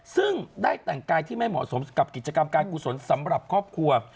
ซึ่งได้แต่งกายที่ไม่เหมาะสมกับกิจกรรมการกุศลสำหรับครอบครัว